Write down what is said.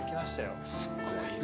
すっごいな。